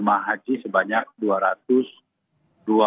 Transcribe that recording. nah yang ketiga hak throw